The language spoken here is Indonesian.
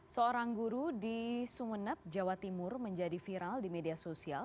seorang guru di sumeneb jawa timur menjadi viral di media sosial